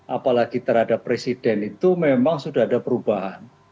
apalagi terhadap presiden itu memang sudah ada perubahan